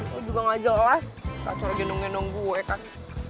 lo juga gak jelas kacau lagi nungguin gue kan